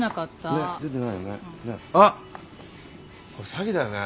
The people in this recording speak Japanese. あっこれ詐欺だよね。